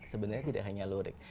sebenarnya tidak hanya lurik